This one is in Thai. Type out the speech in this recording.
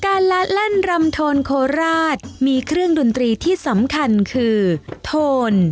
ละแล่นรำโทนโคราชมีเครื่องดนตรีที่สำคัญคือโทน